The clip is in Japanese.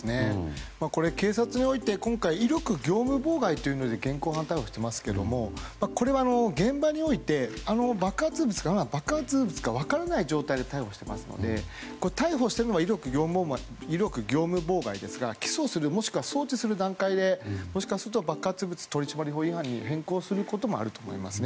これ、警察においては威力業務妨害ということで現行犯逮捕していますけどもこれは現場において爆発物がまだ爆発物か分からない状態で逮捕してますので逮捕しているのは威力業務妨害ですが起訴するもしくは送致する段階で爆発物取締法違反に変更することもあると思います。